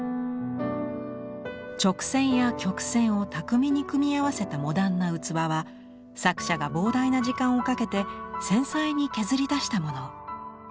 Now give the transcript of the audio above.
直線や曲線を巧みに組み合わせたモダンな器は作者が膨大な時間をかけて繊細に削り出したもの。